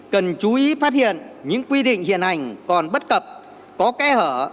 chú ý phát hiện những quy định hiện hành còn bất cập có kẻ hở